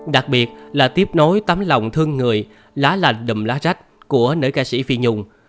đặc biệt là tiếp nối tấm lòng thương người lá lành đùm lá rách của nữ ca sĩ phi nhung